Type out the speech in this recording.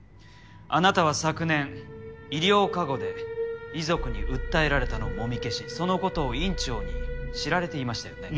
あなたは昨年医療過誤で遺族に訴えられたのを揉み消しそのことを院長に知られていましたよね？